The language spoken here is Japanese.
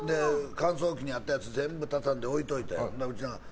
乾燥機にあったやつ全部畳んで置いておいたん。